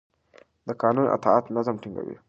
د قانون اطاعت نظم ټینګوي